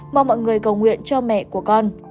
mong mọi người cầu nguyện cho mẹ của con